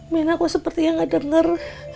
minang kok sepertinya nggak denger